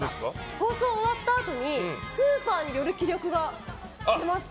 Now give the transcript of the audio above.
放送終わったあとにスーパーに寄る気力が出ました。